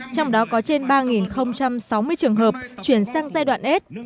trong đó có trên ba sáu mươi trường hợp chuyển sang giai đoạn s